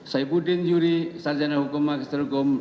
saipudin yuri sarjana hukum magister hukum